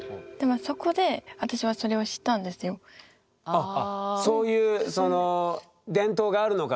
あっそういうその伝統があるのかと。